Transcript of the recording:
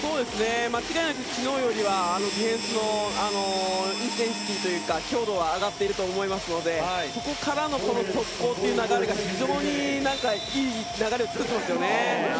間違いなく昨日よりディフェンスというか強度は上がっていると思いますのでそこからの速攻という流れが非常にいい流れを作っていますよね。